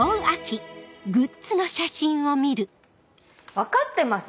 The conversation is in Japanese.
分かってます